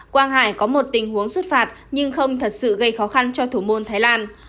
quang hải có một tình huống xuất phạt nhưng không thật sự gây khó khăn cho thủ môn thái lan